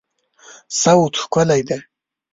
صوت ښکلی دی